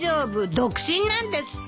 独身なんですって。